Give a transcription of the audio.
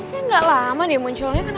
biasanya gak lama nih muncul dia ke sana ya